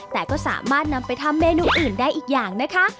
แต่ก็สามารถนำไปทำเมนูอื่นได้อีกอย่างนะคะ